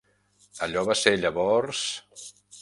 Allò va ser llavors ...